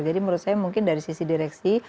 jadi menurut saya mungkin dari sisi direksi